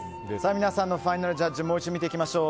皆さんのファイナルジャッジもう一度見ていきましょう。